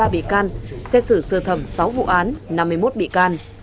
một trăm năm mươi ba bị can xét xử sơ thẩm sáu vụ án năm mươi một bị can